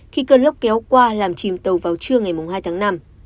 khi cơn lốc kéo qua làm chìm tàu vào trưa ngày hai tháng năm